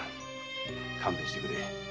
勘弁してくれ。